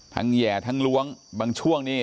ทั้งไหย่ทั้งล้วงบางช่วงนี้